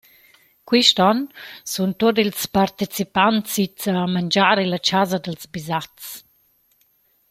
Quist on sun tuot ils partecipants its a mangiar illa chasa dals Bisaz.